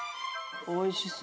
おいしそう。